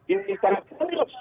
ini sangat penuh